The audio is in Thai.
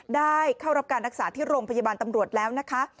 ได้เข้ารับการรักษาที่โรงพยาบาลตำรวจแล้วนะคะ